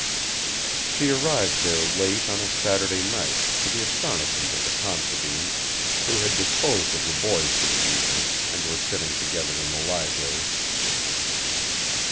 She arrived there late on a Saturday night to the astonishment of the Considines, who had disposed of the boys for the evening, and were sitting together in the library.